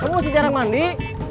kamu masih jarang mandi